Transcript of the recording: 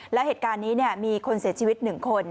แล้วเหตุการณ์นี้มีคนเสียชีวิต๑คน